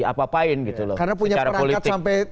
apa apain gitu loh karena punya perangkat sampai